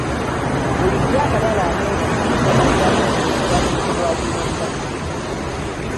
Bulijjo amabala ameeru ku bikoola bya kasooli galeetebwa biwuka.